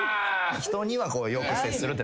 人にはよく接するって。